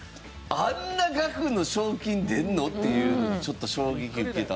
あんな額の賞金出るの？っていうのにちょっと衝撃受けたので。